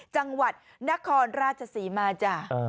จังหวัดนครราชศรีมาจ้ะ